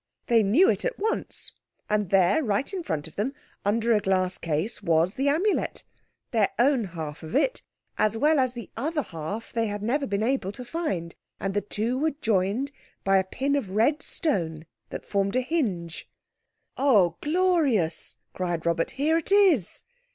They knew it at once, and there, right in front of them, under a glass case, was the Amulet—their own half of it, as well as the other half they had never been able to find—and the two were joined by a pin of red stone that formed a hinge. "Oh, glorious!" cried Robert. "Here it is!"